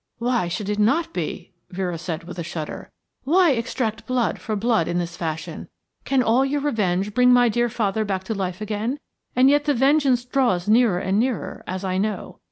"Why should it not be?" Vera said with a shudder. "Why extract blood for blood in this fashion? Can all your revenge bring my dear father back to life again? And yet the vengeance draws nearer and nearer, as I know.